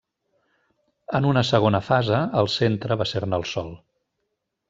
En una segona fase, el centre va ser-ne el Sol.